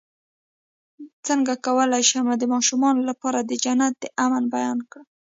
څنګه کولی شم د ماشومانو لپاره د جنت د امن بیان کړم